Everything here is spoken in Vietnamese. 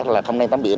là không nên tắm biển